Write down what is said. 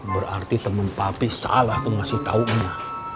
berarti temen papi salah tuh ngasih taunya